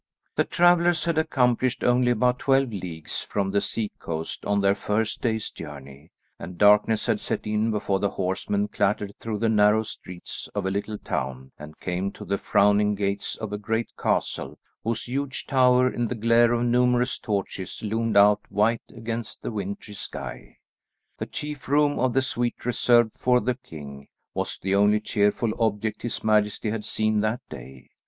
The travellers had accomplished only about twelve leagues from the sea coast on their first day's journey, and darkness had set in before the horsemen clattered through the narrow streets of a little town and came to the frowning gates of a great castle, whose huge tower in the glare of numerous torches loomed out white against the wintry sky. The chief room of the suite reserved for the king was the only cheerful object his majesty had seen that day.